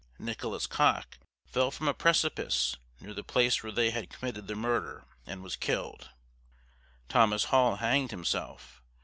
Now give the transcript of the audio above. Nicholas Cock fell from a precipice, near the place where they had committed the murder, and was killed. Thomas Hall hanged himself.